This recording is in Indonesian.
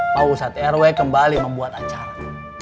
pausat rw kembali membuat acara